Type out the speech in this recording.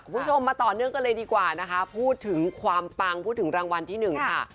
คุณผู้ชมมาต่อเนื่องกันเลยดีกว่านะคะพูดถึงความปังพูดถึงรางวัลที่หนึ่งค่ะ